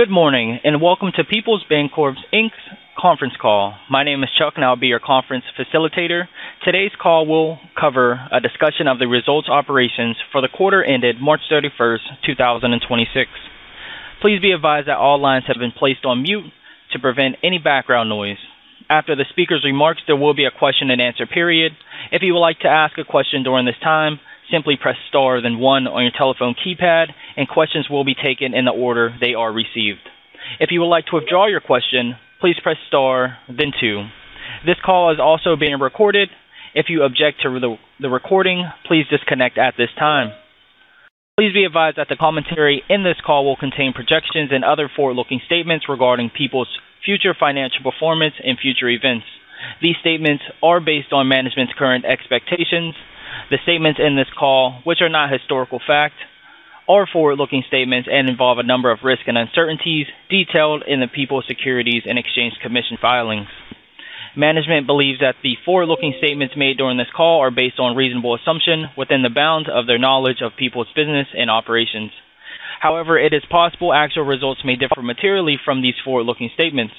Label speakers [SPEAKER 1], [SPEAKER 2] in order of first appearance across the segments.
[SPEAKER 1] Good morning, and welcome to Peoples Bancorp Inc.'s conference call. My name is Chuck, and I'll be your conference facilitator. Today's call will cover a discussion of the results of operations for the quarter ended March 31st, 2026. Please be advised that all lines have been placed on mute to prevent any background noise. After the speaker's remarks, there will be a question and answer period. If you would like to ask a question during this time, simply press star then one on your telephone keypad, and questions will be taken in the order they are received. If you would like to withdraw your question, please press star, then two. This call is also being recorded. If you object to the recording, please disconnect at this time. Please be advised that the commentary in this call will contain projections and other forward-looking statements regarding Peoples Bancorp's future financial performance and future events. These statements are based on management's current expectations. The statements in this call, which are not historical fact, are forward-looking statements and involve a number of risks and uncertainties detailed in the Peoples' Securities and Exchange Commission filings. Management believes that the forward-looking statements made during this call are based on reasonable assumption within the bounds of their knowledge of Peoples' business and operations. However, it is possible actual results may differ materially from these forward-looking statements.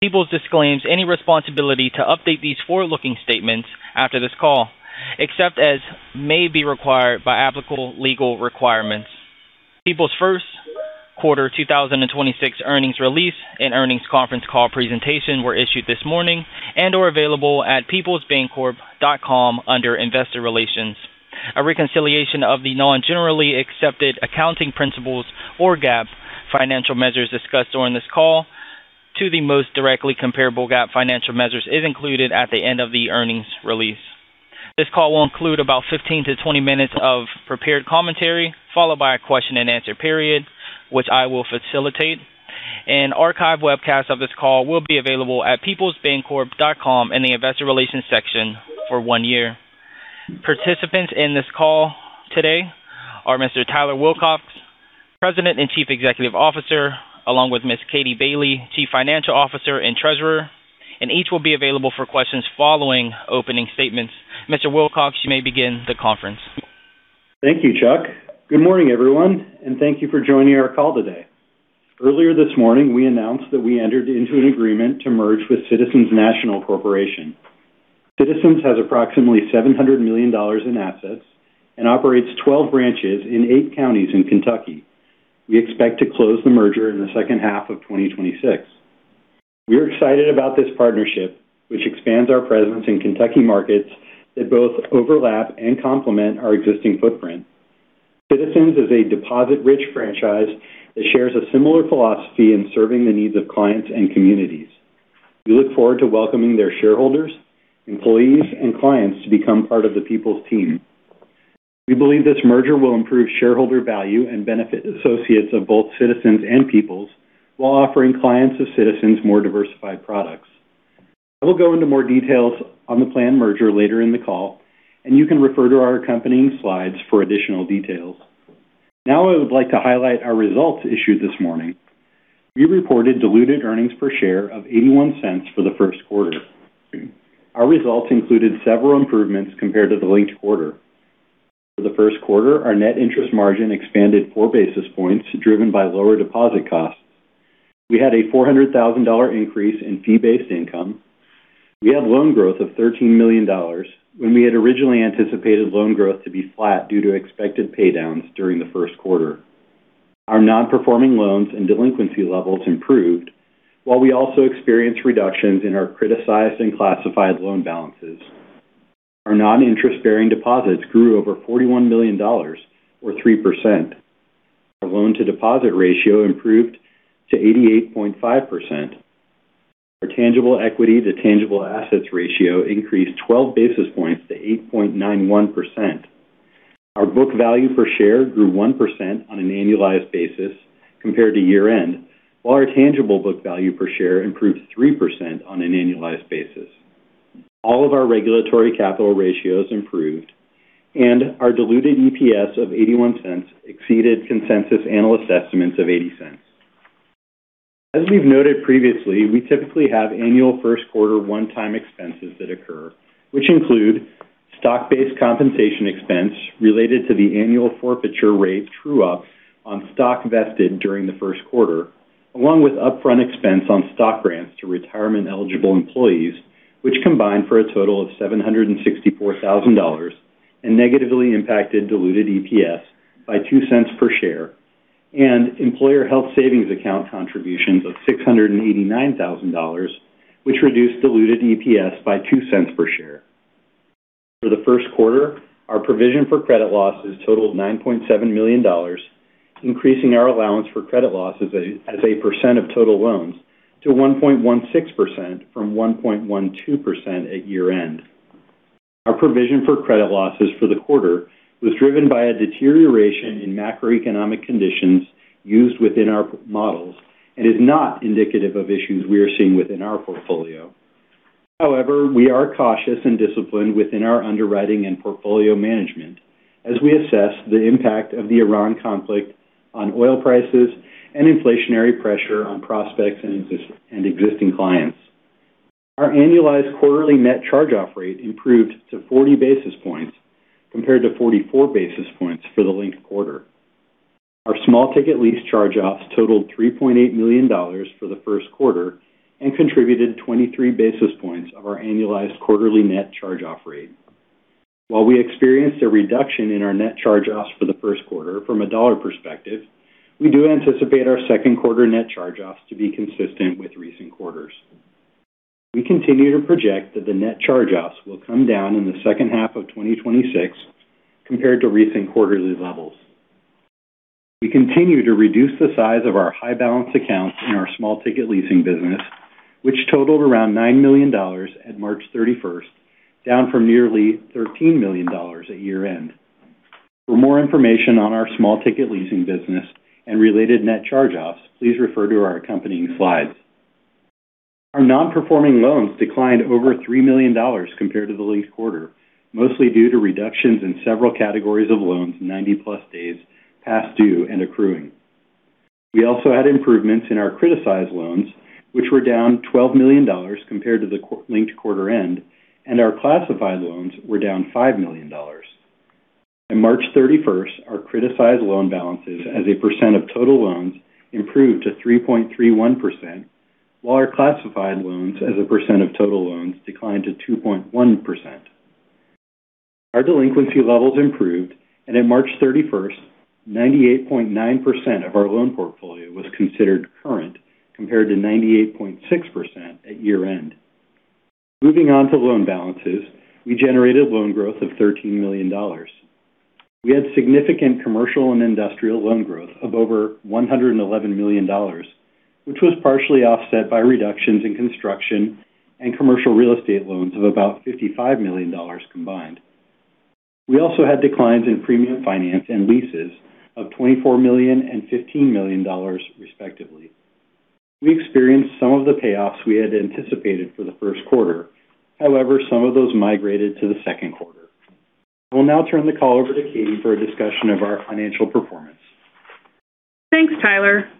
[SPEAKER 1] Peoples disclaims any responsibility to update these forward-looking statements after this call, except as may be required by applicable legal requirements. Peoples' first quarter 2026 earnings release and earnings conference call presentation were issued this morning and are available at peoplesbancorp.com under Investor Relations. A reconciliation of the non-generally accepted accounting principles or GAAP financial measures discussed during this call to the most directly comparable GAAP financial measures is included at the end of the earnings release. This call will include about 15-20 minutes of prepared commentary, followed by a question and answer period, which I will facilitate. An archive webcast of this call will be available at peoplesbancorp.com in the investor relations section for one year. Participants in this call today are Mr. Tyler Wilcox, President and Chief Executive Officer, along with Ms. Katie Bailey, Chief Financial Officer and Treasurer, and each will be available for questions following opening statements. Mr. Wilcox, you may begin the conference.
[SPEAKER 2] Thank you, Chuck. Good morning, everyone, and thank you for joining our call today. Earlier this morning, we announced that we entered into an agreement to merge with Citizens National Corporation. Citizens has approximately $700 million in assets and operates 12 branches in 8 counties in Kentucky. We expect to close the merger in the second half of 2026. We're excited about this partnership, which expands our presence in Kentucky markets that both overlap and complement our existing footprint. Citizens is a deposit-rich franchise that shares a similar philosophy in serving the needs of clients and communities. We look forward to welcoming their shareholders, employees, and clients to become part of the Peoples team. We believe this merger will improve shareholder value and benefit associates of both Citizens and Peoples while offering clients of Citizens more diversified products. I will go into more details on the planned merger later in the call, and you can refer to our accompanying slides for additional details. Now, I would like to highlight our results issued this morning. We reported Diluted Earnings Per Share of $0.81 for the first quarter. Our results included several improvements compared to the linked quarter. For the first quarter, our net interest margin expanded 4 basis points, driven by lower deposit costs. We had a $400,000 increase in fee-based income. We had loan growth of $13 million when we had originally anticipated loan growth to be flat due to expected pay-downs during the first quarter. Our non-performing loans and delinquency levels improved, while we also experienced reductions in our criticized and classified loan balances. Our non-interest-bearing deposits grew over $41 million or 3%. Our loan-to-deposit ratio improved to 88.5%. Our Tangible Equity to Tangible Assets Ratio increased 12 basis points to 8.91%. Our book value per share grew 1% on an annualized basis compared to year-end, while our Tangible Book Value Per Share improved 3% on an annualized basis. All of our regulatory capital ratios improved and our Diluted EPS of $0.81 exceeded consensus analyst estimates of $0.80. As we've noted previously, we typically have annual first quarter one-time expenses that occur, which include stock-based compensation expense related to the annual forfeiture rate true-up on stock vested during the first quarter, along with upfront expense on stock grants to retirement eligible employees, which combined for a total of $764,000 and negatively impacted Diluted EPS by $0.02 per share and employer health savings account contributions of $689,000, which reduced Diluted EPS by $0.02 per share. For the first quarter, our provision for credit losses totaled $9.7 million, increasing our allowance for credit losses as a percent of total loans to 1.16% from 1.12% at year-end. Our provision for credit losses for the quarter was driven by a deterioration in macroeconomic conditions used within our models and is not indicative of issues we are seeing within our portfolio. However, we are cautious and disciplined within our underwriting and portfolio management as we assess the impact of the Iran conflict on oil prices and inflationary pressure on prospects and existing clients. Our annualized quarterly net charge-off rate improved to 40 basis points compared to 44 basis points for the linked quarter. Our small-ticket lease charge-offs totaled $3.8 million for the first quarter and contributed 23 basis points of our annualized quarterly net charge-off rate. While we experienced a reduction in our net charge-offs for the first quarter from a dollar perspective, we do anticipate our second quarter net charge-offs to be consistent with recent quarters. We continue to project that the net charge-offs will come down in the second half of 2026 compared to recent quarterly levels. We continue to reduce the size of our high balance accounts in our small ticket leasing business, which totaled around $9 million at March 31st, down from nearly $13 million at year-end. For more information on our small ticket leasing business and related net charge-offs, please refer to our accompanying slides. Our non-performing loans declined over $3 million compared to the linked quarter, mostly due to reductions in several categories of loans, 90+ days past due and accruing. We also had improvements in our criticized loans, which were down $12 million compared to the linked quarter end, and our classified loans were down $5 million. On March 31st, our criticized loan balances as a percent of total loans improved to 3.31%, while our classified loans as a percent of total loans declined to 2.1%. Our delinquency levels improved, and on March 31st, 98.9% of our loan portfolio was considered current, compared to 98.6% at year-end. Moving on to loan balances, we generated loan growth of $13 million. We had significant commercial and industrial loan growth of over $111 million, which was partially offset by reductions in construction and commercial real estate loans of about $55 million combined. We also had declines in premium finance and leases of $24 million and $15 million, respectively. We experienced some of the payoffs we had anticipated for the first quarter. However, some of those migrated to the second quarter. I will now turn the call over to Katie for a discussion of our financial performance.
[SPEAKER 3] Thanks, Tyler.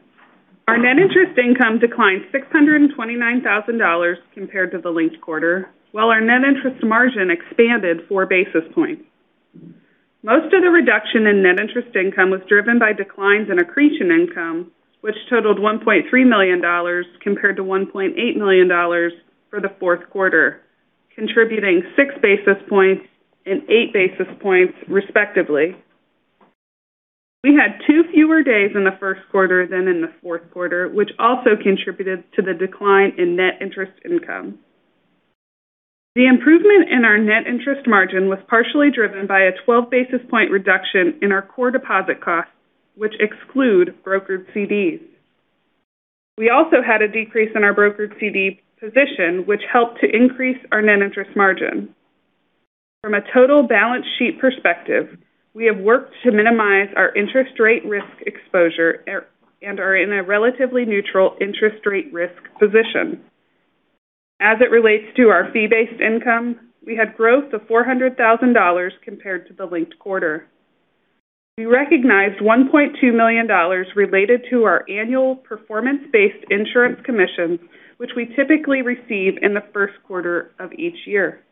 [SPEAKER 3] Our net interest income declined $629,000 compared to the linked quarter, while our net interest margin expanded 4 basis points. Most of the reduction in net interest income was driven by declines in accretion income, which totaled $1.3 million compared to $1.8 million for the fourth quarter, contributing 6 basis points and 8 basis points, respectively. We had 2 fewer days in the first quarter than in the fourth quarter, which also contributed to the decline in net interest income. The improvement in our net interest margin was partially driven by a 12-basis point reduction in our core deposit costs, which exclude brokered CDs. We also had a decrease in our brokered CD position, which helped to increase our net interest margin. From a total balance sheet perspective, we have worked to minimize our interest rate risk exposure and are in a relatively neutral interest rate risk position. As it relates to our fee-based income, we had growth of $400,000 compared to the linked quarter. We recognized $1.2 million related to our annual performance-based insurance commission, which we typically receive in the first quarter of each year.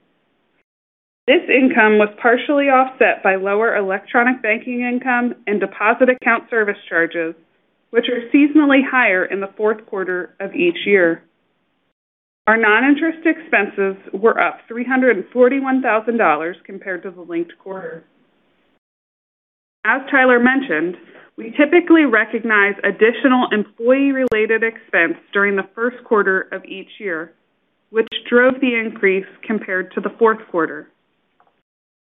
[SPEAKER 3] This income was partially offset by lower electronic banking income and deposit account service charges, which are seasonally higher in the fourth quarter of each year. Our non-interest expenses were up $341,000 compared to the linked quarter. As Tyler mentioned, we typically recognize additional employee-related expense during the first quarter of each year, which drove the increase compared to the fourth quarter.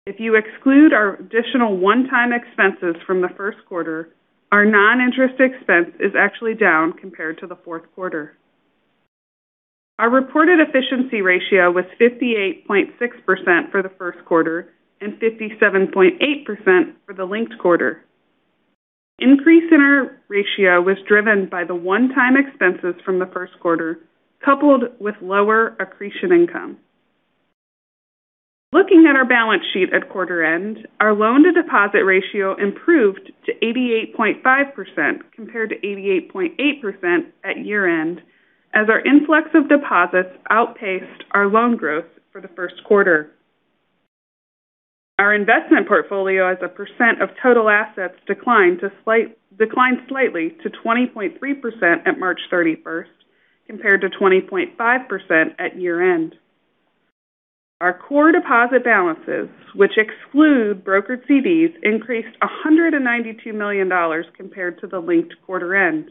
[SPEAKER 3] If you exclude our additional one-time expenses from the first quarter, our non-interest expense is actually down compared to the fourth quarter. Our reported efficiency ratio was 58.6% for the first quarter and 57.8% for the linked quarter. Increase in our ratio was driven by the one-time expenses from the first quarter, coupled with lower accretion income. Looking at our balance sheet at quarter end, our loan-to-deposit ratio improved to 88.5% compared to 88.8% at year-end as our influx of deposits outpaced our loan growth for the first quarter. Our investment portfolio as a percent of total assets declined slightly to 20.3% at March 31st compared to 20.5% at year-end. Our core deposit balances, which exclude brokered CDs, increased $192 million compared to the linked quarter end.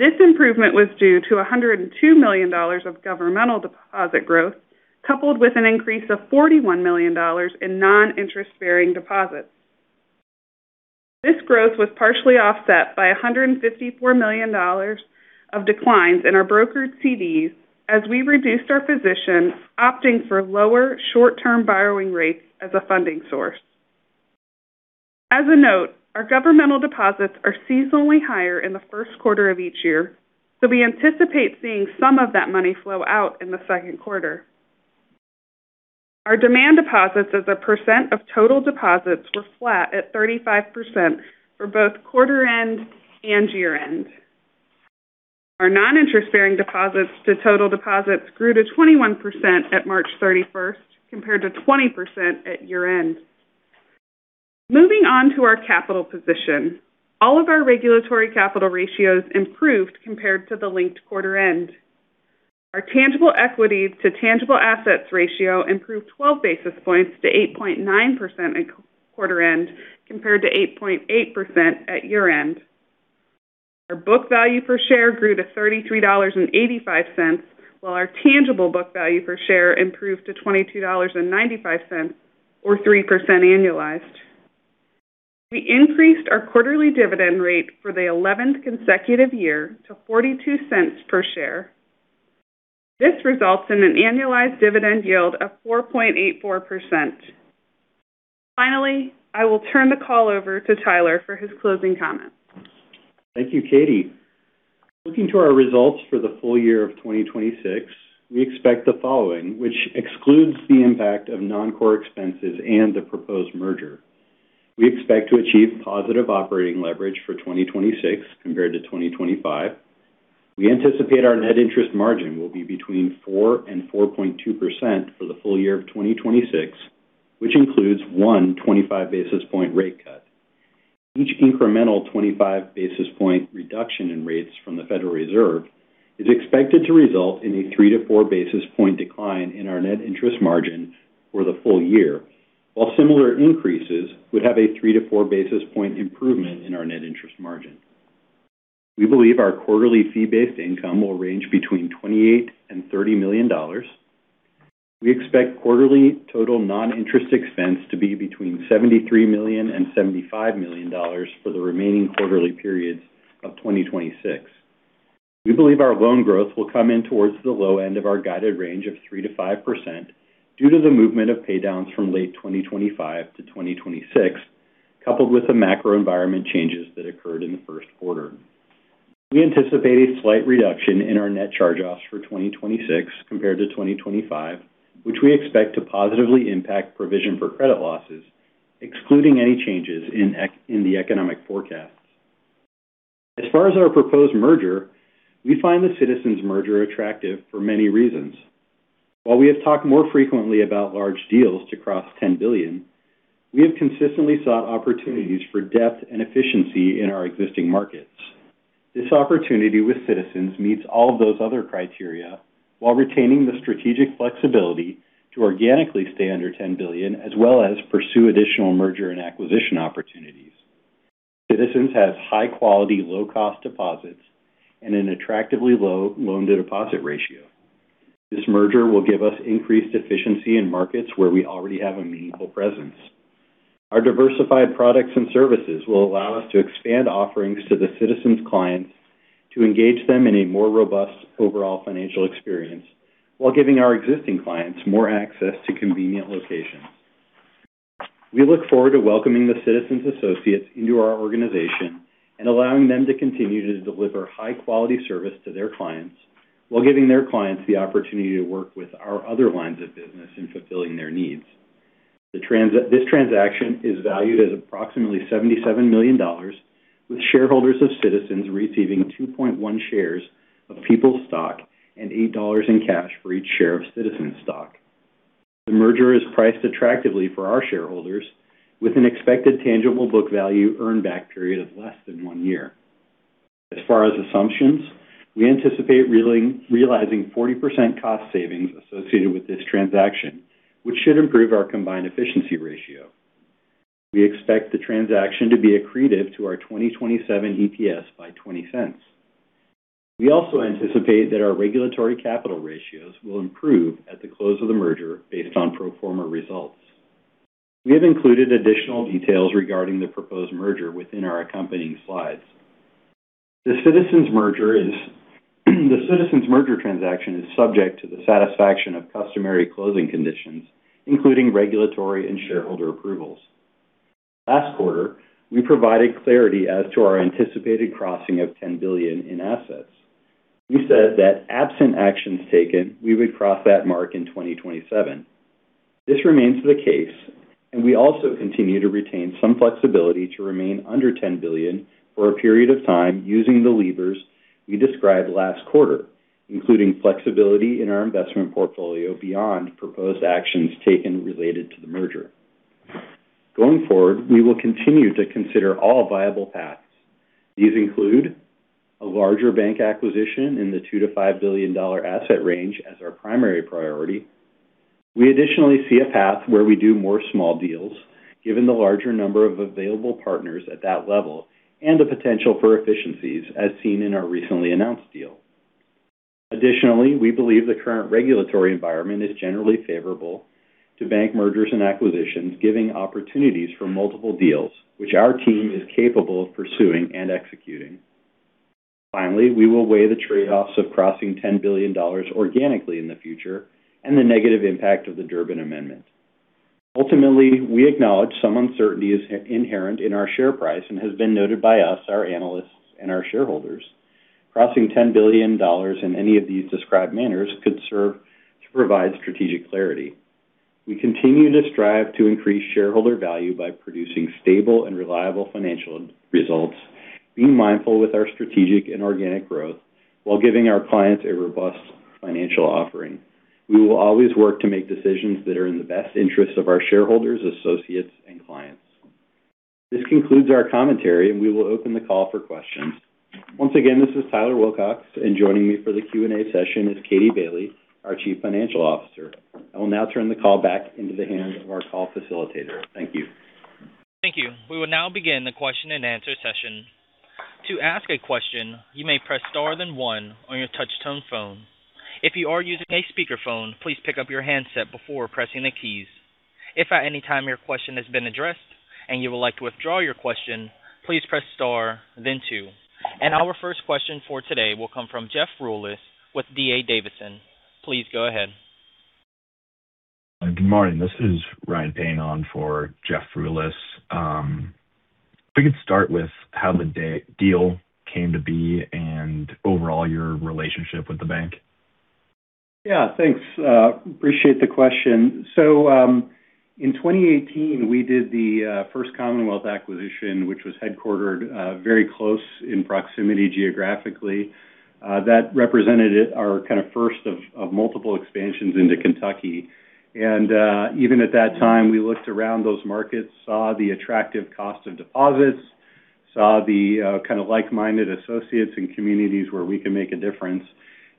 [SPEAKER 3] This improvement was due to $102 million of governmental deposit growth, coupled with an increase of $41 million in non-interest-bearing deposits. This growth was partially offset by $154 million of declines in our brokered CDs as we reduced our position, opting for lower short-term borrowing rates as a funding source. As a note, our governmental deposits are seasonally higher in the first quarter of each year, so we anticipate seeing some of that money flow out in the second quarter. Our demand deposits as a percent of total deposits were flat at 35% for both quarter-end and year-end. Our non-interest bearing deposits to total deposits grew to 21% at March 31st compared to 20% at year-end. Moving on to our capital position. All of our regulatory capital ratios improved compared to the linked quarter-end. Our tangible equity to tangible assets ratio improved 12 basis points to 8.9% at quarter-end compared to 8.8% at year-end. Our book value per share grew to $33.85, while our tangible book value per share improved to $22.95 or 3% annualized. We increased our quarterly dividend rate for the 11th consecutive year to $0.42 per share. This results in an annualized dividend yield of 4.84%. Finally, I will turn the call over to Tyler for his closing comments.
[SPEAKER 2] Thank you, Katie. Looking to our results for the full year of 2026, we expect the following, which excludes the impact of non-core expenses and the proposed merger. We expect to achieve positive operating leverage for 2026 compared to 2025. We anticipate our net interest margin will be between 4% and 4.2% for the full year of 2026, which includes one 25 basis point rate cut. Each incremental 25 basis point reduction in rates from the Federal Reserve is expected to result in a 3-4 basis point decline in our net interest margin for the full year, while similar increases would have a 3-4 basis point improvement in our net interest margin. We believe our quarterly fee-based income will range between $28 million and $30 million. We expect quarterly total non-interest expense to be between $73 million and $75 million for the remaining quarterly periods of 2026. We believe our loan growth will come in towards the low end of our guided range of 3%-5% due to the movement of paydowns from late 2025 to 2026, coupled with the macro environment changes that occurred in the first quarter. We anticipate a slight reduction in our net charge-offs for 2026 compared to 2025, which we expect to positively impact provision for credit losses, excluding any changes in the economic forecasts. As far as our proposed merger, we find the Citizens merger attractive for many reasons. While we have talked more frequently about large deals to cross $10 billion, we have consistently sought opportunities for depth and efficiency in our existing markets. This opportunity with Citizens meets all of those other criteria while retaining the strategic flexibility to organically stay under $10 billion as well as pursue additional merger and acquisition opportunities. Citizens has high quality, low cost deposits and an attractively low loan-to-deposit ratio. This merger will give us increased efficiency in markets where we already have a meaningful presence. Our diversified products and services will allow us to expand offerings to the Citizens clients to engage them in a more robust overall financial experience while giving our existing clients more access to convenient locations. We look forward to welcoming the Citizens associates into our organization and allowing them to continue to deliver high quality service to their clients while giving their clients the opportunity to work with our other lines of business in fulfilling their needs. This transaction is valued at approximately $77 million, with shareholders of Citizens receiving 2.1 shares of Peoples stock and $8 in cash for each share of Citizens stock. The merger is priced attractively for our shareholders with an expected tangible book value earn back period of less than one year. As far as assumptions, we anticipate realizing 40% cost savings associated with this transaction, which should improve our combined efficiency ratio. We expect the transaction to be accretive to our 2027 EPS by $0.20. We also anticipate that our regulatory capital ratios will improve at the close of the merger based on pro forma results. We have included additional details regarding the proposed merger within our accompanying slides. The Citizens merger transaction is subject to the satisfaction of customary closing conditions, including regulatory and shareholder approvals. Last quarter, we provided clarity as to our anticipated crossing of $10 billion in assets. We said that absent actions taken, we would cross that mark in 2027. This remains the case, and we also continue to retain some flexibility to remain under $10 billion for a period of time using the levers we described last quarter, including flexibility in our investment portfolio beyond proposed actions taken related to the merger. Going forward, we will continue to consider all viable paths. These include a larger bank acquisition in the $2 billion-$5 billion asset range as our primary priority. We additionally see a path where we do more small deals given the larger number of available partners at that level and the potential for efficiencies as seen in our recently announced deal. Additionally, we believe the current regulatory environment is generally favorable to bank mergers and acquisitions giving opportunities for multiple deals which our team is capable of pursuing and executing. Finally, we will weigh the trade-offs of crossing $10 billion organically in the future and the negative impact of the Durbin Amendment. Ultimately, we acknowledge some uncertainty is inherent in our share price and has been noted by us, our analysts, and our shareholders. Crossing $10 billion in any of these described manners could serve to provide strategic clarity. We continue to strive to increase shareholder value by producing stable and reliable financial results, being mindful with our strategic and organic growth, while giving our clients a robust financial offering. We will always work to make decisions that are in the best interest of our shareholders, associates, and clients. This concludes our commentary, and we will open the call for questions. Once again, this is Tyler Wilcox, and joining me for the Q&A session is Katie Bailey, our Chief Financial Officer. I will now turn the call back into the hands of our call facilitator. Thank you.
[SPEAKER 1] Thank you. We will now begin the question and answer session. To ask a question, you may press star then one on your touch-tone phone. If you are using a speakerphone, please pick up your handset before pressing the keys. If at any time your question has been addressed and you would like to withdraw your question, please press star then two. Our first question for today will come from Jeff Rulis with D.A. Davidson. Please go ahead.
[SPEAKER 4] Good morning. This is Ryan Payne on for Jeff Rulis. If we could start with how the deal came to be and overall your relationship with the bank?
[SPEAKER 2] Yeah, thanks. Appreciate the question. In 2018, we did the First Commonwealth acquisition, which was headquartered very close in proximity geographically. That represented our first of multiple expansions into Kentucky. Even at that time, we looked around those markets, saw the attractive cost of deposits, saw the like-minded associates and communities where we can make a difference,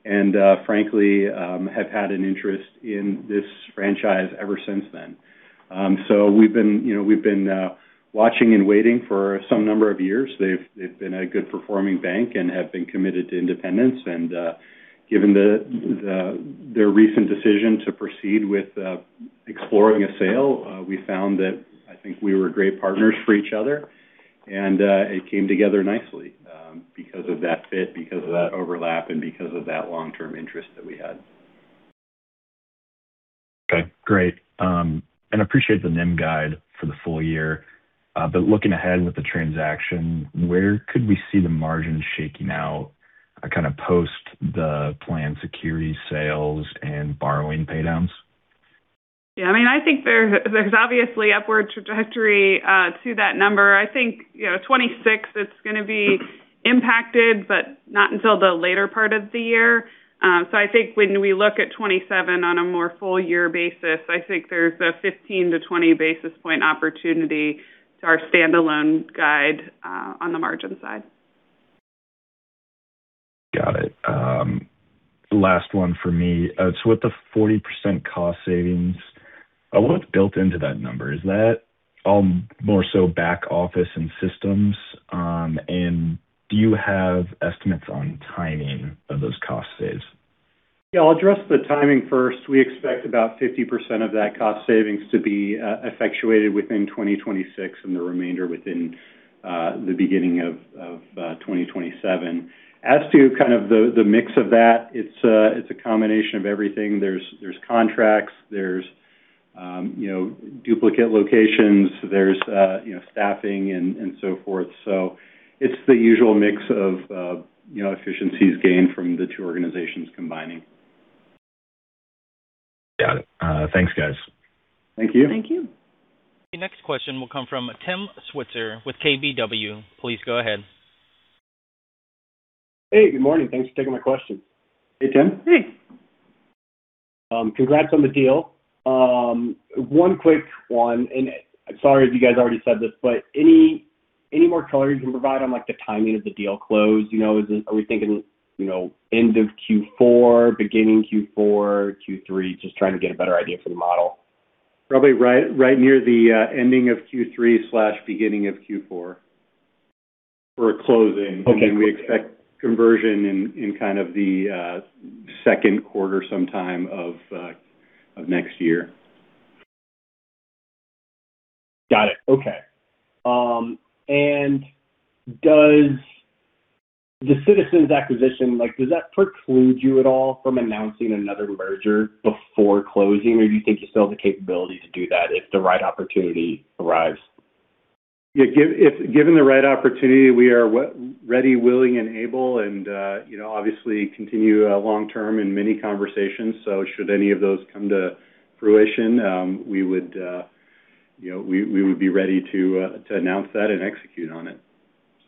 [SPEAKER 2] and frankly, have had an interest in this franchise ever since then. We've been watching and waiting for some number of years. They've been a good performing bank and have been committed to independence. Given their recent decision to proceed with exploring a sale, we found that I think we were great partners for each other, and it came together nicely because of that fit, because of that overlap, and because of that long-term interest that we had.
[SPEAKER 4] Okay, great. Appreciate the NIM guide for the full year. Looking ahead with the transaction, where could we see the margin shaking out post the planned security sales and borrowing paydowns?
[SPEAKER 3] Yeah, I think there's obviously upward trajectory to that number. I think, 2026 is going to be impacted, but not until the later part of the year. I think when we look at 2027 on a more full year basis, I think there's a 15-20 basis points opportunity to our standalone guide on the margin side.
[SPEAKER 4] Got it. Last one for me. With the 40% cost savings, what's built into that number? Is that all more so back office and systems? Do you have estimates on timing of those cost saves?
[SPEAKER 2] Yeah, I'll address the timing first. We expect about 50% of that cost savings to be effectuated within 2026 and the remainder within the beginning of 2027. As to kind of the mix of that, it's a combination of everything. There's contracts, there's duplicate locations, there's staffing and so forth. It's the usual mix of efficiencies gained from the two organizations combining.
[SPEAKER 4] Got it. Thanks, guys.
[SPEAKER 2] Thank you.
[SPEAKER 3] Thank you.
[SPEAKER 1] The next question will come from Tim Switzer with KBW. Please go ahead.
[SPEAKER 5] Hey, good morning. Thanks for taking my question.
[SPEAKER 2] Hey, Tim.
[SPEAKER 5] Hey. Congrats on the deal. One quick one, and I'm sorry if you guys already said this, but any more color you can provide on the timing of the deal close? Are we thinking end of Q4, beginning Q4, Q3? Just trying to get a better idea for the model.
[SPEAKER 2] Probably right near the ending of Q3/beginning of Q4 for a closing.
[SPEAKER 5] Okay.
[SPEAKER 2] We expect conversion in kind of the second quarter sometime of next year.
[SPEAKER 5] Got it. Okay. Does the Citizens acquisition preclude you at all from announcing another merger before closing? Or do you think you still have the capability to do that if the right opportunity arrives?
[SPEAKER 2] Yeah. Given the right opportunity, we are ready, willing, and able and obviously continue long-term in many conversations. Should any of those come to fruition, we would be ready to announce that and execute on it.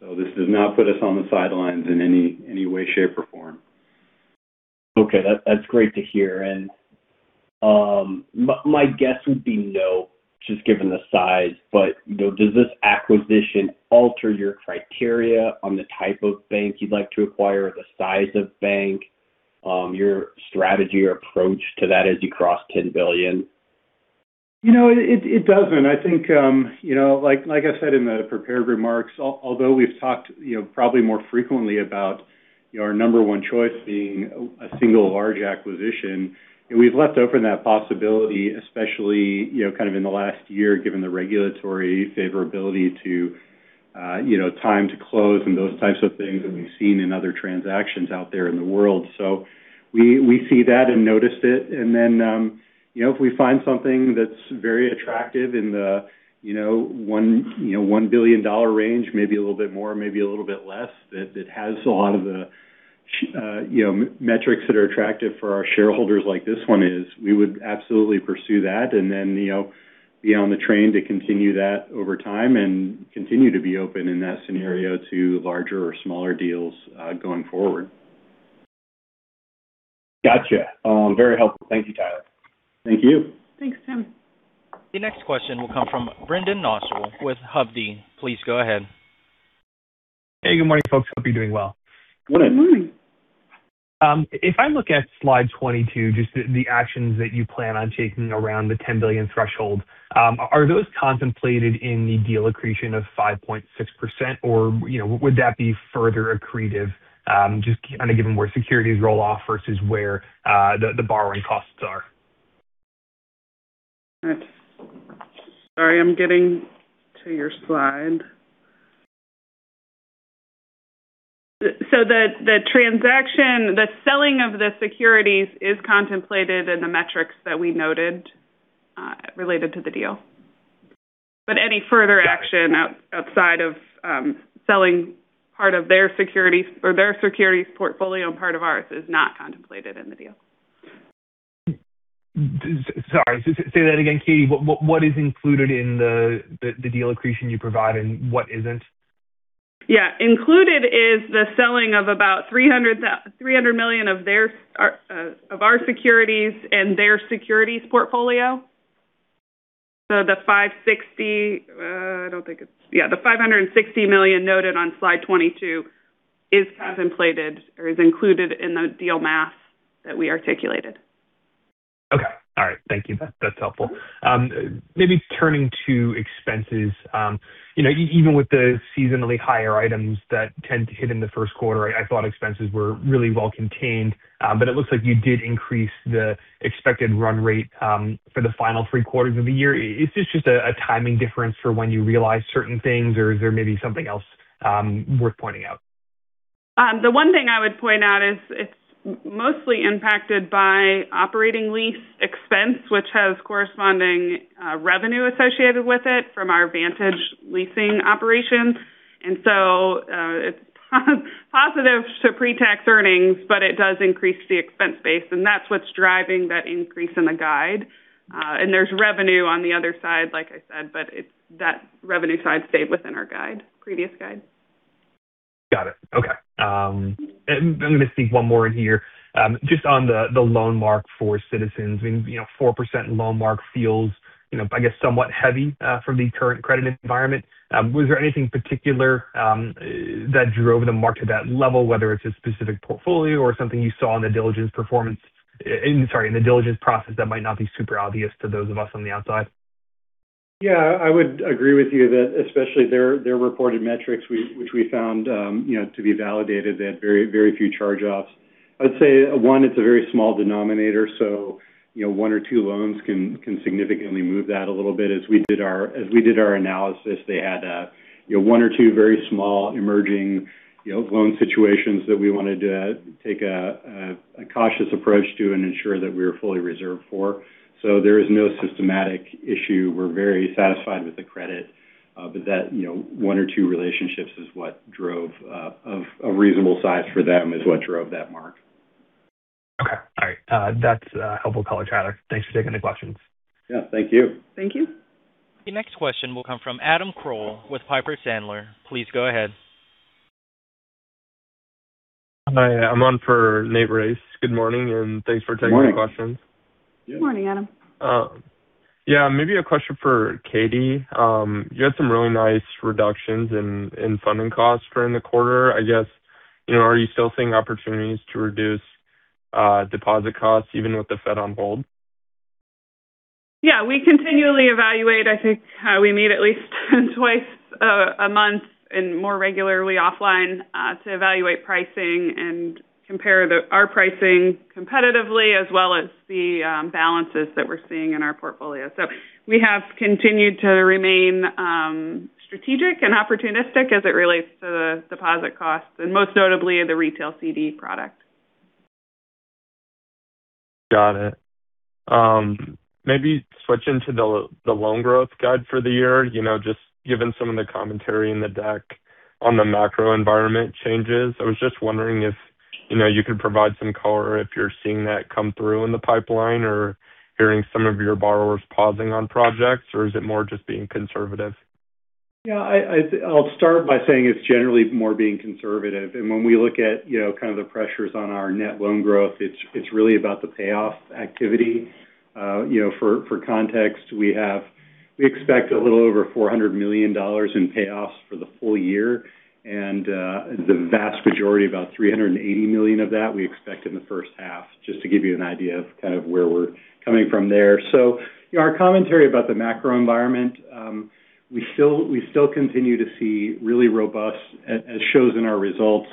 [SPEAKER 2] This does not put us on the sidelines in any way, shape, or form.
[SPEAKER 5] Okay. That's great to hear. My guess would be no, just given the size, but does this acquisition alter your criteria on the type of bank you'd like to acquire, the size of bank, your strategy or approach to that as you cross $10 billion?
[SPEAKER 2] It doesn't. I think, like I said in the prepared remarks, although we've talked probably more frequently about our number one choice being a single large acquisition, and we've left open that possibility, especially in the last year, given the regulatory favorability, time to close and those types of things that we've seen in other transactions out there in the world. We see that and noticed it, and then if we find something that's very attractive in the $1 billion range, maybe a little bit more, maybe a little bit less, that has a lot of the metrics that are attractive for our shareholders like this one is, we would absolutely pursue that and then be on the train to continue that over time and continue to be open in that scenario to larger or smaller deals going forward.
[SPEAKER 5] Got you. Very helpful. Thank you, Tyler.
[SPEAKER 2] Thank you.
[SPEAKER 3] Thanks, Tim.
[SPEAKER 1] The next question will come from Brendan Nosal with Hovde. Please go ahead.
[SPEAKER 6] Hey, good morning, folks. Hope you're doing well.
[SPEAKER 2] Good.
[SPEAKER 3] Good morning.
[SPEAKER 6] If I look at slide 22, just the actions that you plan on taking around the $10 billion threshold, are those contemplated in the deal accretion of 5.6% or would that be further accretive? Just kind of given where securities roll off versus where the borrowing costs are.
[SPEAKER 3] Sorry, I'm getting to your slide. The selling of the securities is contemplated in the metrics that we noted related to the deal. Any further action outside of selling part of their securities portfolio and part of ours is not contemplated in the deal.
[SPEAKER 6] Sorry, say that again, Katie. What is included in the deal accretion you provide and what isn't?
[SPEAKER 3] Yeah. Included is the selling of about $300 million of our securities and their securities portfolio. Yeah, the $560 million noted on slide 22 is contemplated or is included in the deal math that we articulated.
[SPEAKER 6] Okay. All right. Thank you. That's helpful. Maybe turning to expenses, even with the seasonally higher items that tend to hit in the first quarter, I thought expenses were really well contained. It looks like you did increase the expected run rate for the final three quarters of the year. Is this just a timing difference for when you realize certain things or is there maybe something else worth pointing out?
[SPEAKER 3] The one thing I would point out is it's mostly impacted by operating lease expense, which has corresponding revenue associated with it from our Vantage Leasing operations. It's positive to pre-tax earnings, but it does increase the expense base, and that's what's driving that increase in the guide. There's revenue on the other side, like I said, but that revenue side stayed within our previous guide.
[SPEAKER 6] Got it. Okay. I'm going to sneak one more in here. Just on the loan mark for Citizens, 4% loan mark feels, I guess, somewhat heavy for the current credit environment. Was there anything particular that drove the mark to that level, whether it's a specific portfolio or something you saw in the diligence process that might not be super obvious to those of us on the outside?
[SPEAKER 2] Yeah, I would agree with you that especially their reported metrics, which we found to be validated. They had very few charge-offs. I would say one, it's a very small denominator, so one or two loans can significantly move that a little bit. As we did our analysis, they had one or two very small emerging loan situations that we wanted to take a cautious approach to and ensure that we were fully reserved for. So there is no systemic issue. We're very satisfied with the credit. But one or two relationships is what drove a reasonable size for them, is what drove that mark.
[SPEAKER 6] Okay. All right. That's helpful color, Tyler. Thanks for taking the questions.
[SPEAKER 2] Yeah, thank you.
[SPEAKER 3] Thank you.
[SPEAKER 1] The next question will come from Adam Crowell with Piper Sandler. Please go ahead.
[SPEAKER 7] Hi, I'm on for Nate Race. Good morning, and thanks for taking our questions.
[SPEAKER 2] Good morning.
[SPEAKER 3] Good morning, Adam.
[SPEAKER 7] Yeah, maybe a question for Katie. You had some really nice reductions in funding costs during the quarter. I guess, are you still seeing opportunities to reduce deposit costs even with the Fed on hold?
[SPEAKER 3] Yeah, we continually evaluate. I think we meet at least twice a month and more regularly offline, to evaluate pricing and compare our pricing competitively as well as the balances that we're seeing in our portfolio. We have continued to remain strategic and opportunistic as it relates to the deposit costs and most notably the retail CD product.
[SPEAKER 7] Got it. Maybe switching to the loan growth guide for the year. Just given some of the commentary in the deck on the macro environment changes, I was just wondering if you could provide some color if you're seeing that come through in the pipeline or hearing some of your borrowers pausing on projects, or is it more just being conservative?
[SPEAKER 2] Yeah. I'll start by saying it's generally more being conservative. When we look at kind of the pressures on our net loan growth, it's really about the payoff activity. For context, we expect a little over $400 million in payoffs for the full year, and the vast majority, about $380 million of that, we expect in the first half. Just to give you an idea of kind of where we're coming from there. Our commentary about the macro environment, we still continue to see really robust, as shown in our results,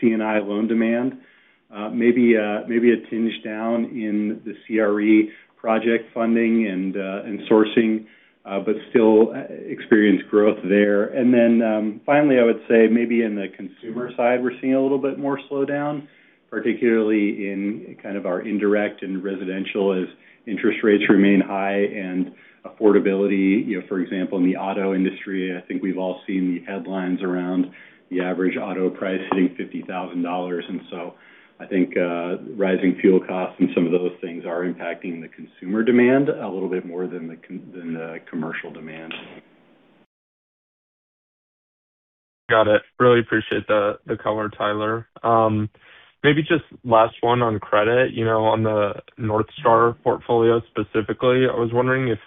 [SPEAKER 2] C&I loan demand. Maybe a tinge down in the CRE project funding and sourcing, but still experience growth there. Finally, I would say maybe in the consumer side, we're seeing a little bit more slowdown, particularly in kind of our indirect and residential as interest rates remain high and affordability, for example, in the auto industry, I think we've all seen the headlines around the average auto price hitting $50,000. I think rising fuel costs and some of those things are impacting the consumer demand a little bit more than the commercial demand.
[SPEAKER 7] Got it. Really appreciate the color, Tyler. Maybe just last one on credit. On the North Star portfolio specifically, I was wondering if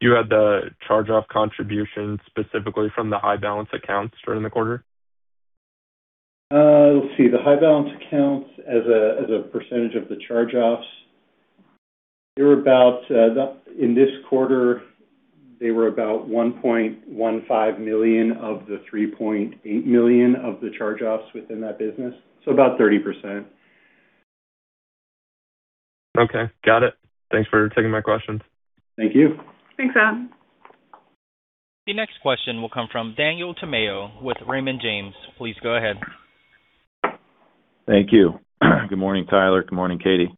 [SPEAKER 7] you had the charge-off contribution specifically from the high balance accounts during the quarter?
[SPEAKER 2] Let's see, the high balance accounts as a % of the charge-offs, in this quarter, they were about $1.15 million of the $3.8 million of the charge-offs within that business, so about 30%.
[SPEAKER 7] Okay, got it. Thanks for taking my questions.
[SPEAKER 2] Thank you.
[SPEAKER 3] Thanks, Adam.
[SPEAKER 1] The next question will come from Daniel Tamayo with Raymond James. Please go ahead.
[SPEAKER 8] Thank you. Good morning, Tyler. Good morning, Katie.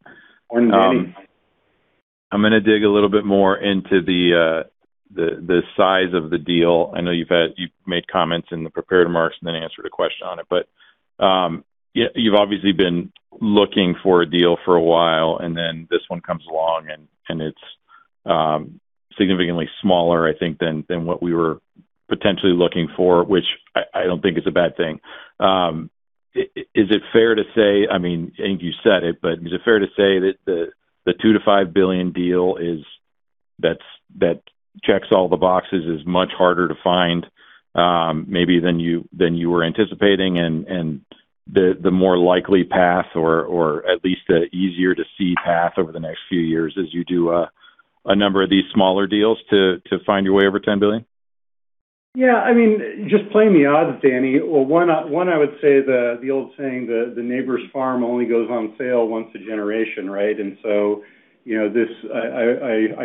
[SPEAKER 2] Morning, Danny.
[SPEAKER 8] I'm going to dig a little bit more into the size of the deal. I know you've made comments in the prepared remarks and then answered a question on it, but you've obviously been looking for a deal for a while, and then this one comes along and it's significantly smaller, I think, than what we were potentially looking for, which I don't think is a bad thing. I think you said it, but is it fair to say that the $2 billion-$5 billion deal that checks all the boxes is much harder to find maybe than you were anticipating and the more likely path or at least the easier to see path over the next few years as you do a number of these smaller deals to find your way over $10 billion?
[SPEAKER 2] Yeah, just playing the odds, Danny. Well, one, I would say the old saying, "The neighbor's farm only goes on sale once a generation," right? I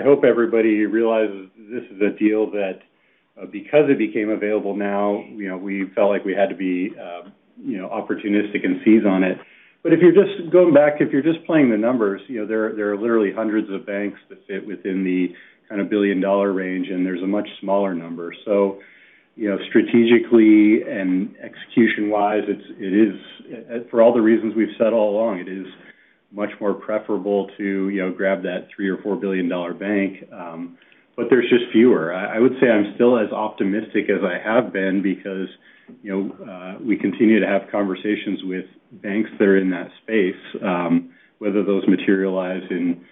[SPEAKER 2] hope everybody realizes this is a deal that because it became available now, we felt like we had to be opportunistic and seize on it. If you're just going back, if you're just playing the numbers, there are literally hundreds of banks that fit within the kind of billion-dollar range, and there's a much smaller number. Strategically and execution-wise, for all the reasons we've said all along, it is much more preferable to grab that 3 or 4 billion-dollar bank. There's just fewer. I would say I'm still as optimistic as I have been because we continue to have conversations with banks that are in that space. Whether those materialize in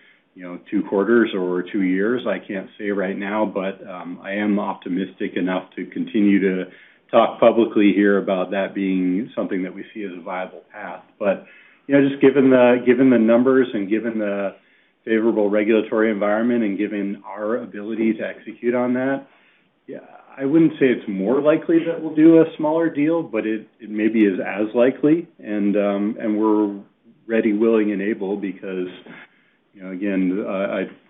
[SPEAKER 2] two quarters or two years, I can't say right now, but I am optimistic enough to continue to talk publicly here about that being something that we see as a viable path. Just given the numbers and given the favorable regulatory environment and given our ability to execute on that, I wouldn't say it's more likely that we'll do a smaller deal, but it may be as likely, and we're ready, willing, and able because, again,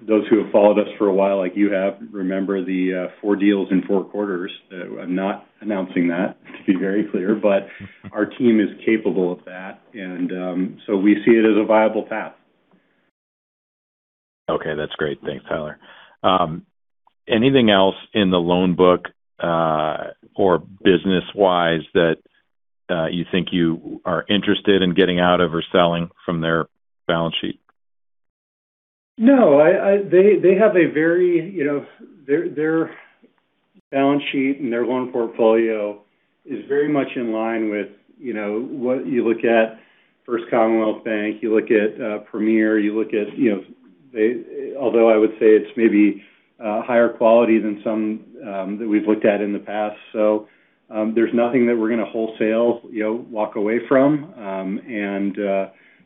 [SPEAKER 2] those who have followed us for a while, like you have, remember the four deals in four quarters. I'm not announcing that, to be very clear, but our team is capable of that, and so we see it as a viable path.
[SPEAKER 8] Okay, that's great. Thanks, Tyler. Anything else in the loan book or business-wise that you think you are interested in getting out of or selling from their balance sheet?
[SPEAKER 2] No. Their balance sheet and their loan portfolio is very much in line with what you look at First Commonwealth Bank, you look at Premier. Although I would say it's maybe higher quality than some that we've looked at in the past. There's nothing that we're going to wholesale, walk away from, and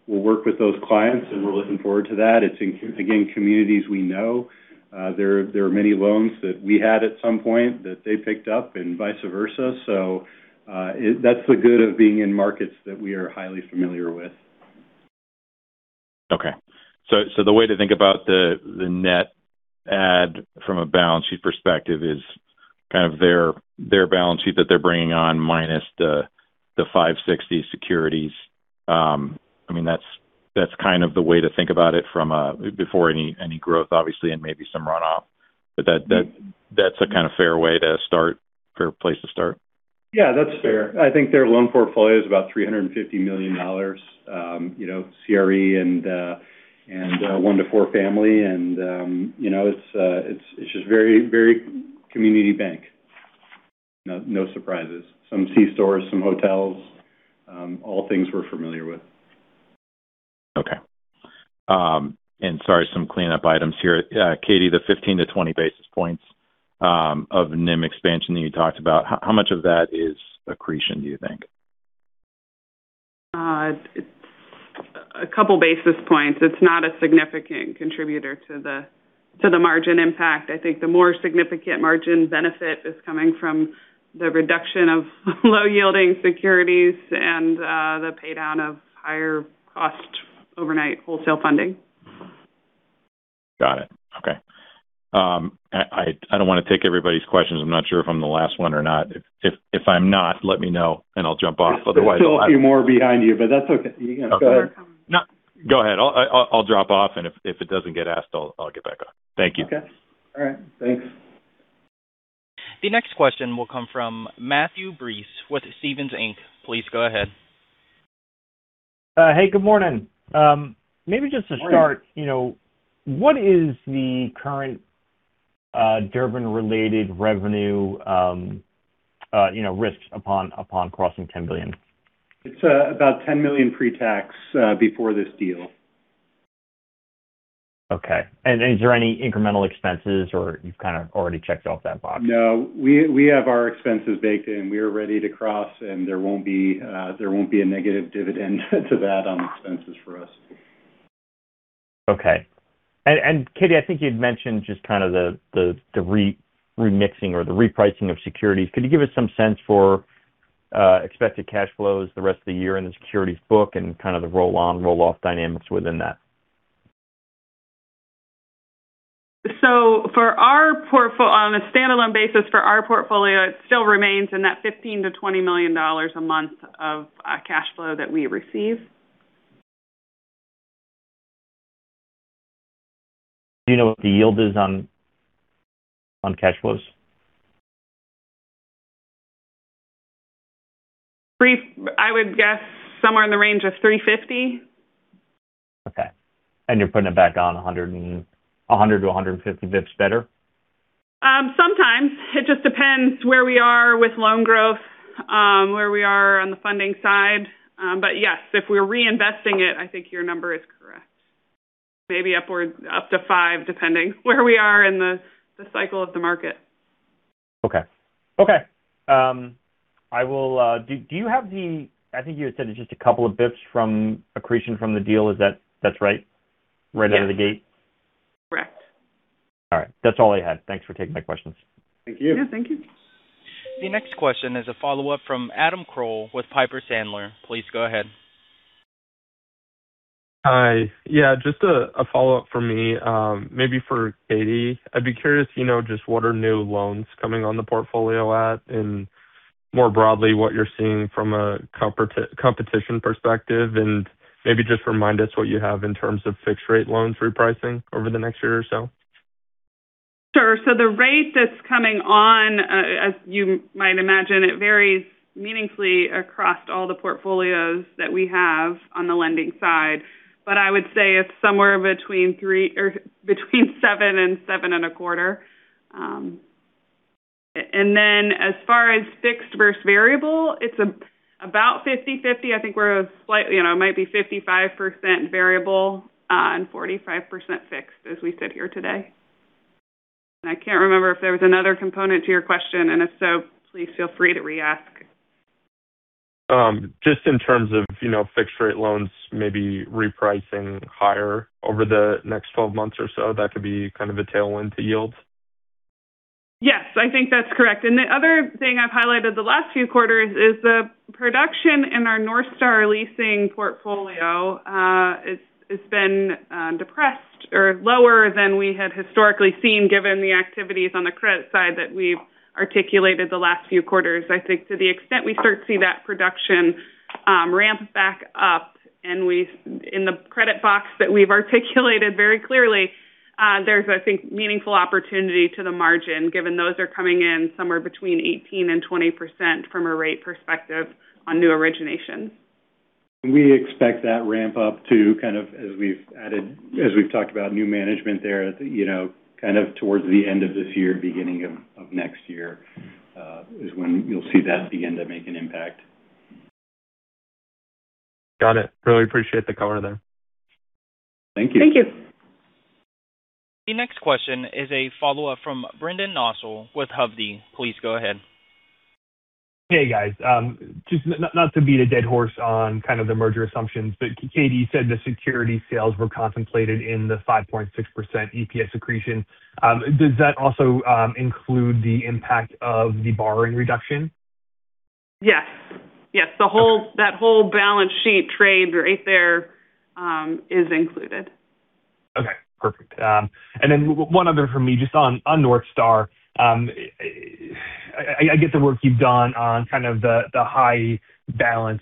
[SPEAKER 2] we'll work with those clients, and we're looking forward to that. It's, again, communities we know. There are many loans that we had at some point that they picked up and vice versa. That's the good of being in markets that we are highly familiar with.
[SPEAKER 8] Okay. The way to think about the net add from a balance sheet perspective is kind of their balance sheet that they're bringing on minus the 560 securities. That's kind of the way to think about it before any growth, obviously, and maybe some runoff. That's a kind of fair way to start, fair place to start.
[SPEAKER 2] Yeah, that's fair. I think their loan portfolio is about $350 million, CRE and 1-4 family, and it's just very community bank. No surprises. Some C-stores, some hotels, all things we're familiar with.
[SPEAKER 8] Okay. Sorry, some cleanup items here. Katie, the 15-20 basis points of NIM expansion that you talked about, how much of that is accretion, do you think?
[SPEAKER 3] A couple basis points. It's not a significant contributor to the margin impact. I think the more significant margin benefit is coming from the reduction of low-yielding securities and the pay-down of higher cost overnight wholesale funding.
[SPEAKER 8] Got it. Okay. I don't want to take everybody's questions. I'm not sure if I'm the last one or not. If I'm not, let me know and I'll jump off. Otherwise.
[SPEAKER 2] There's still a few more behind you, but that's okay. You can go ahead.
[SPEAKER 8] No, go ahead. I'll drop off and if it doesn't get asked, I'll get back on. Thank you.
[SPEAKER 2] Okay. All right. Thanks.
[SPEAKER 1] The next question will come from Matthew Breese with Stephens Inc. Please go ahead.
[SPEAKER 9] Hey, good morning. Maybe just to start.
[SPEAKER 2] Morning
[SPEAKER 9] What is the current Durbin-related revenue risks upon crossing 10 billion?
[SPEAKER 2] It's about $10 million pre-tax before this deal.
[SPEAKER 9] Okay. Is there any incremental expenses or you've kind of already checked off that box?
[SPEAKER 2] No. We have our expenses baked in. We are ready to cross and there won't be a negative dividend to that on expenses for us.
[SPEAKER 9] Okay. Katie, I think you'd mentioned just kind of the remixing or the repricing of securities. Could you give us some sense for expected cash flows the rest of the year in the securities book and kind of the roll on, roll off dynamics within that?
[SPEAKER 3] On a standalone basis for our portfolio, it still remains in that $15 million-$20 million a month of cash flow that we receive.
[SPEAKER 9] Do you know what the yield is on cash flows?
[SPEAKER 3] I would guess somewhere in the range of 350.
[SPEAKER 9] Okay. You're putting it back on 100-150 basis points better?
[SPEAKER 3] Sometimes. It just depends where we are with loan growth, where we are on the funding side. Yes, if we're reinvesting it, I think your number is correct. Maybe up to five, depending where we are in the cycle of the market.
[SPEAKER 9] Okay. I think you had said it's just a couple of bps from accretion from the deal, is that right? Right out of the gate.
[SPEAKER 3] Correct.
[SPEAKER 9] All right. That's all I had. Thanks for taking my questions.
[SPEAKER 2] Thank you.
[SPEAKER 3] Yeah, thank you.
[SPEAKER 1] The next question is a follow-up from Adam Crowell with Piper Sandler. Please go ahead.
[SPEAKER 7] Hi. Yeah, just a follow-up from me. Maybe for Katie. I'd be curious, just what are new loans coming on the portfolio at and more broadly, what you're seeing from a competition perspective, and maybe just remind us what you have in terms of fixed rate loans repricing over the next year or so.
[SPEAKER 3] Sure. The rate that's coming on, as you might imagine, it varies meaningfully across all the portfolios that we have on the lending side. I would say it's somewhere between 7% and 7.25%. Then as far as fixed versus variable, it's about 50/50. I think we're slightly, it might be 55% variable on 45% fixed as we sit here today. I can't remember if there was another component to your question, and if so, please feel free to re-ask.
[SPEAKER 7] Just in terms of fixed rate loans, maybe repricing higher over the next 12 months or so, that could be kind of a tailwind to yields.
[SPEAKER 3] Yes, I think that's correct. The other thing I've highlighted the last few quarters is the production in our Northstar leasing portfolio has been depressed or lower than we had historically seen given the activities on the credit side that we've articulated the last few quarters. I think to the extent we start to see that production ramp back up and in the credit box that we've articulated very clearly, there's, I think, meaningful opportunity to the margin given those are coming in somewhere between 18%-20% from a rate perspective on new originations.
[SPEAKER 2] We expect that ramp up too, kind of as we've talked about new management there, kind of towards the end of this year, beginning of next year, is when you'll see that begin to make an impact.
[SPEAKER 7] Got it. Really appreciate the color there.
[SPEAKER 2] Thank you.
[SPEAKER 3] Thank you.
[SPEAKER 1] The next question is a follow-up from Brendan Nosal with Hovde. Please go ahead.
[SPEAKER 6] Hey, guys. Just not to beat a dead horse on kind of the merger assumptions, but Katie, you said the security sales were contemplated in the 5.6% EPS accretion. Does that also include the impact of the borrowing reduction?
[SPEAKER 3] Yes.
[SPEAKER 6] Okay.
[SPEAKER 3] That whole balance sheet trade right there is included.
[SPEAKER 6] Okay, perfect. One other from me just on Northstar. I get the work you've done on kind of the high balance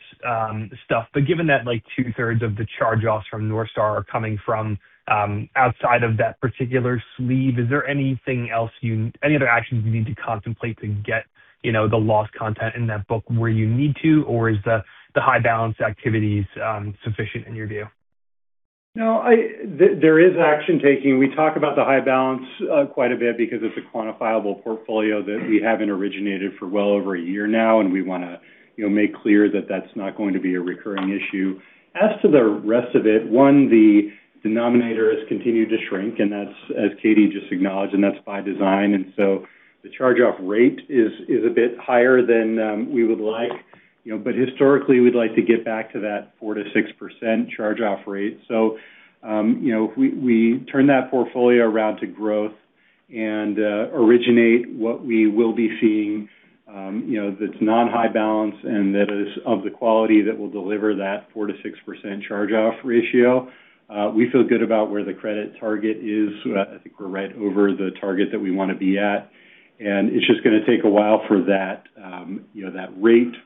[SPEAKER 6] stuff, but given that two-thirds of the charge-offs from Northstar are coming from outside of that particular sleeve, is there any other actions you need to contemplate to get the lost content in that book where you need to, or is the high balance activities sufficient in your view?
[SPEAKER 2] No, there is action taking. We talk about the high balance quite a bit because it's a quantifiable portfolio that we haven't originated for well over a year now, and we want to make clear that that's not going to be a recurring issue. As to the rest of it, one, the denominator has continued to shrink, and that's as Katie just acknowledged, and that's by design. The charge-off rate is a bit higher than we would like. Historically, we'd like to get back to that 4%-6% charge-off rate. We turn that portfolio around to growth and originate what we will be seeing, that's non-high balance and that is of the quality that will deliver that 4%-6% charge-off ratio. We feel good about where the credit target is. I think we're right over the target that we want to be at, and it's just going to take a while for that rate to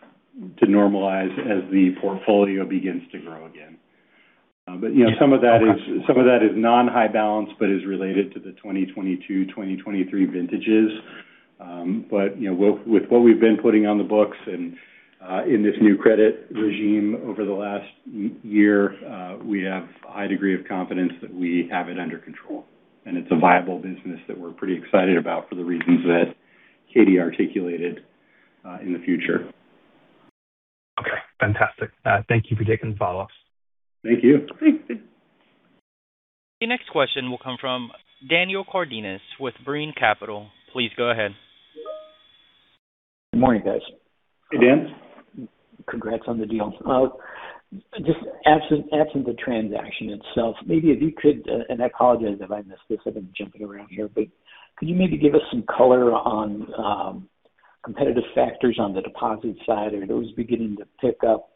[SPEAKER 2] normalize as the portfolio begins to grow again. Some of that is non-high balance but is related to the 2022, 2023 vintages. With what we've been putting on the books and in this new credit regime over the last year, we have a high degree of confidence that we have it under control. It's a viable business that we're pretty excited about for the reasons that Katie articulated in the future.
[SPEAKER 6] Okay, fantastic. Thank you for taking the follow-ups.
[SPEAKER 2] Thank you.
[SPEAKER 3] Thanks.
[SPEAKER 1] The next question will come from Daniel Cardenas with Brean Capital. Please go ahead.
[SPEAKER 10] Good morning, guys.
[SPEAKER 2] Hey, Dan.
[SPEAKER 10] Congrats on the deal. Just absent the transaction itself, maybe if you could, and I apologize if I missed this, I've been jumping around here, but could you maybe give us some color on competitive factors on the deposit side? Are those beginning to pick up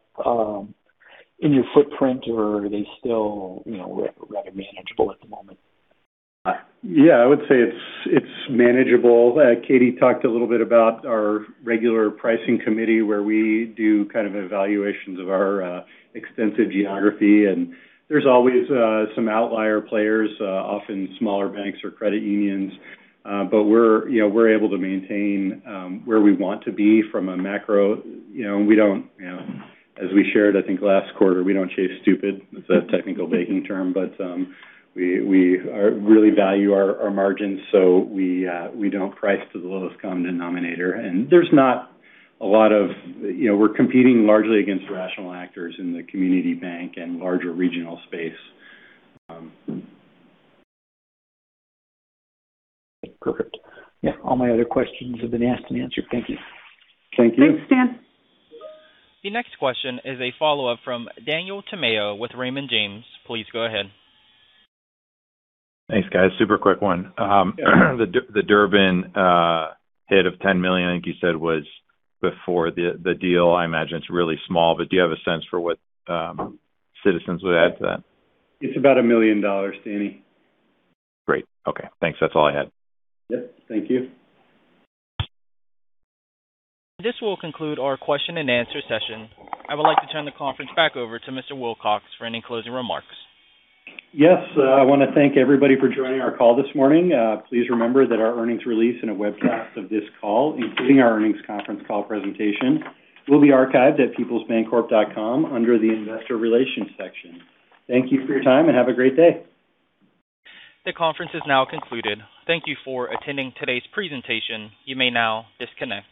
[SPEAKER 10] in your footprint or are they still rather manageable at the moment?
[SPEAKER 2] Yeah, I would say it's manageable. Katie talked a little bit about our regular pricing committee where we do kind of evaluations of our extensive geography, and there's always some outlier players, often smaller banks or credit unions. We're able to maintain where we want to be from a macro. As we shared, I think last quarter, we don't chase stupid. It's a technical banking term, but we really value our margins, so we don't price to the lowest common denominator. We're competing largely against rational actors in the community bank and larger regional space.
[SPEAKER 10] Perfect. Yeah, all my other questions have been asked and answered. Thank you.
[SPEAKER 2] Thank you.
[SPEAKER 3] Thanks, Dan.
[SPEAKER 1] The next question is a follow-up from Daniel Tamayo with Raymond James. Please go ahead.
[SPEAKER 8] Thanks, guys. Super quick one. The Durbin hit of $10 million, I think you said, was before the deal. I imagine it's really small, but do you have a sense for what Citizens would add to that?
[SPEAKER 2] It's about $1 million, Danny.
[SPEAKER 8] Great. Okay, thanks. That's all I had.
[SPEAKER 2] Yep, thank you.
[SPEAKER 1] This will conclude our question and answer session. I would like to turn the conference back over to Mr. Wilcox for any closing remarks.
[SPEAKER 2] Yes. I want to thank everybody for joining our call this morning. Please remember that our earnings release and a webcast of this call, including our earnings conference call presentation, will be archived at peoplesbancorp.com under the investor relations section. Thank you for your time and have a great day.
[SPEAKER 1] The conference is now concluded. Thank you for attending today's presentation. You may now disconnect.